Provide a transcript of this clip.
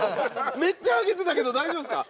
めっちゃハゲてたけど大丈夫っすか？